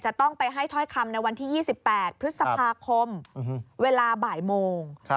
จะต้องไปให้ถ้อยคำในวันที่๒๘พฤษภาคมเวลาบ่ายโมง